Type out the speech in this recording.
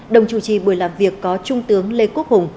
đồng chủ trì buổi làm việc có trung tướng lê quốc hùng